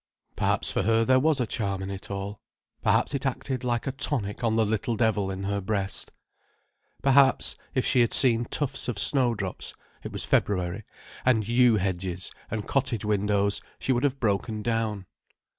Perhaps for her there was a charm in it all. Perhaps it acted like a tonic on the little devil in her breast. Perhaps if she had seen tufts of snowdrops—it was February—and yew hedges and cottage windows, she would have broken down.